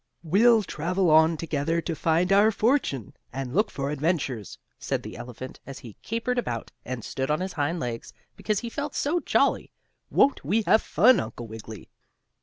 "We'll travel on together to find our fortune, and look for adventures," said the elephant, as he capered about, and stood on his hind legs, because he felt so jolly. "Won't we have fun, Uncle Wiggily?"